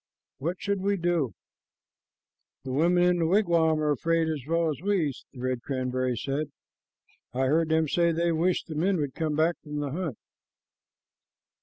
What should we do?" "The women in the wigwam are afraid as well as we," the red cranberry said. "I heard them say they wished the men would come back from the hunt."